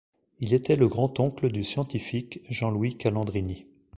Il était le grand-oncle du scientifique Jean-Louis Calandrini.